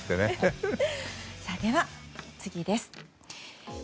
では、次です。